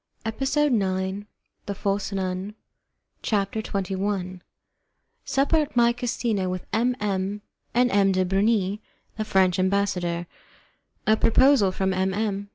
EPISODE 9 THE FALSE NUN CHAPTER XXI Supper at My Casino With M. M. and M. de Bernis, the French Ambassador A Proposal from M. M.